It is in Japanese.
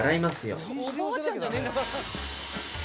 おばあちゃんじゃねえんだから。